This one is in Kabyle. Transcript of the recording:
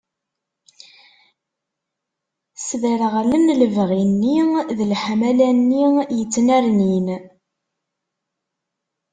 Sdereɣlen lebɣi-nni d leḥmala-nni i yettnernin.